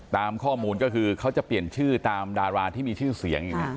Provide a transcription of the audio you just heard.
ตามข้อมูลก็คือเขาจะเปลี่ยนชื่อตามดาราที่มีชื่อเสียงอยู่